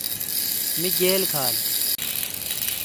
می گیل کھال۔